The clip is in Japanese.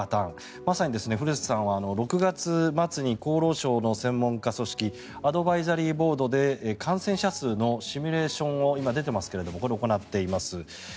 まさに古瀬さんは６月末に厚労省の専門家組織アドバイザリーボードで感染者数のシミュレーションを今、出ていますけれどこれを行っています。